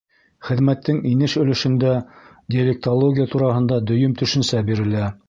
Хеҙмәттең инеш өлөшөндә диалектология тураһында дөйөм төшөнсә бирелә.